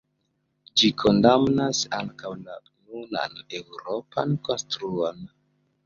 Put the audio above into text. Ĝi kondamnas ankaŭ la nunan eŭropan konstruon.